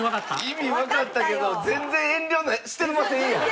意味わかったけど全然遠慮してませんやん。